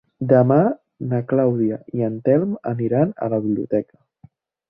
Demà na Clàudia i en Telm aniran a la biblioteca.